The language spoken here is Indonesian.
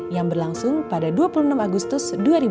yang berlangsung pada dua puluh enam agustus dua ribu dua puluh